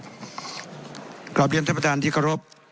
ศครอบเรียนท่านประบาลที่ยอดรบ